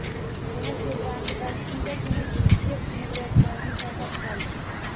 Yana tebrandi va u shundagina yer qimirlayotganini payqab qoldi.